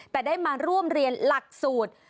แต่ได้มาร่วมเรียนหลักสูตร